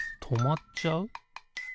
とまっちゃう？